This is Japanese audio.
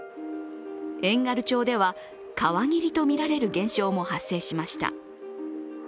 遠軽町では、川霧とみられる現象も発生しました。